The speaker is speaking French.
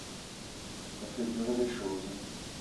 On fait durer les choses.